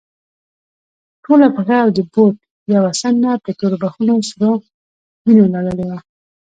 ټوله پښه او د بوټ يوه څنډه په توربخونو سرو وينو لړلې وه.